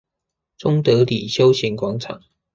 中德里休閒廣場